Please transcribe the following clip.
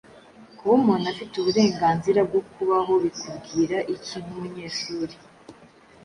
Kuba umuntu afite uburenganzira bwo kubaho bikubwira iki nk’umunyeshuri?